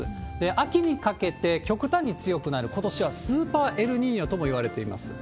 秋にかけて、極端に強くなる、ことしはスーパーエルニーニョともいわれています。